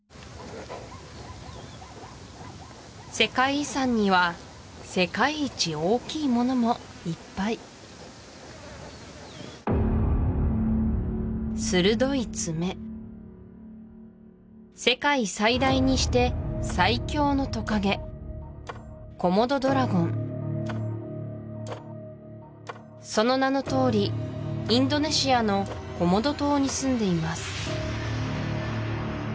世界遺産には世界一大きいものもいっぱい鋭い爪世界最大にして最強のトカゲコモドドラゴンその名のとおりインドネシアのコモド島にすんでいます